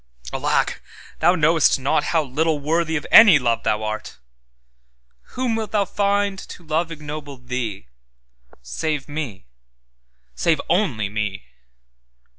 Alack, thou knowest notHow little worthy of any love thou art! Whom wilt thou find to love ignoble thee, Save Me, save only Me?